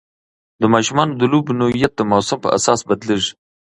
د ماشومانو د لوبو نوعیت د موسم پر اساس بدلېږي.